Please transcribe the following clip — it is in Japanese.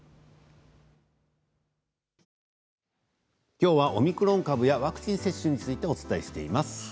きょうはオミクロン株やワクチン接種についてお伝えしています。